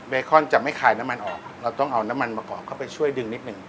คอนจะไม่คลายน้ำมันออกเราต้องเอาน้ำมันมะกอกเข้าไปช่วยดึงนิดหนึ่ง